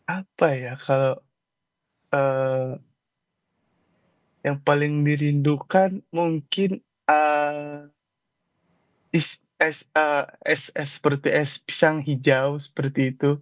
apa ya kalau yang paling dirindukan mungkin es es seperti es pisang hijau seperti itu